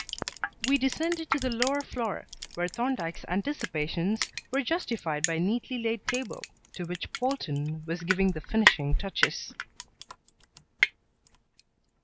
We descended to the lower floor, where Thorndyke's anticipations were justified by a neatly laid table to which Polton was giving the finishing touches.